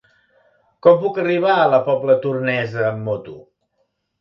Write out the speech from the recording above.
Com puc arribar a la Pobla Tornesa amb moto?